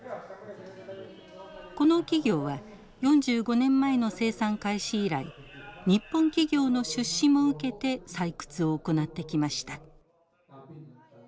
この企業は４５年前の生産開始以来日本企業の出資も受けて採掘を行ってきました。